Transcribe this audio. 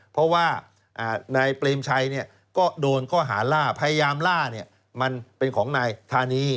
เพราะว่านายเปรมชัยก็โดนข้อหาล่าพยายามล่ามันเป็นของนายธานี